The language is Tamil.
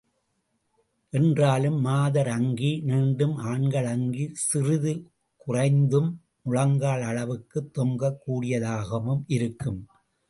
என்றாலும், மாதர் அங்கி நீண்டும், ஆண்கள் அங்கி சிறிது குறைந்தும், முழங்கால் அளவுக்குத் தொங்கக் கூடியதாகவும் இருக்கும்.